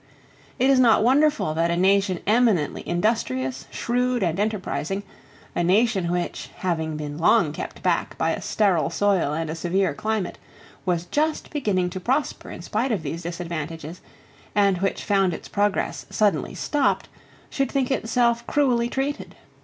It is not wonderful that a nation eminently industrious, shrewd, and enterprising, a nation which, having been long kept back by a sterile soil and a severe climate, was just beginning to prosper in spite of these disadvantages, and which found its progress suddenly stopped, should think itself cruelly treated.